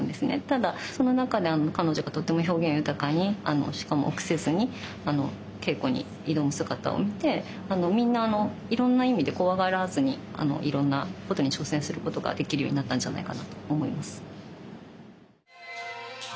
ただその中で彼女がとても表現豊かにしかも臆せずに稽古に挑む姿を見てみんないろんな意味で怖がらずにいろんなことに挑戦することができるようになったんじゃないかなと思います。